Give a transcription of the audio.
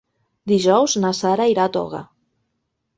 Dijous na Sara irà a Toga.